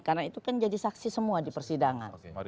karena itu kan jadi saksi semua di persidangan